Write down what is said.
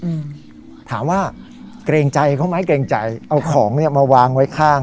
อืมถามว่าเกรงใจเขาไหมเกรงใจเอาของเนี้ยมาวางไว้ข้าง